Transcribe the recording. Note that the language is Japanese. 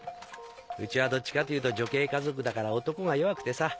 うちはどっちかっていうと女系家族だから男が弱くてさ。